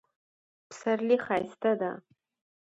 پسرلی ښایسته ده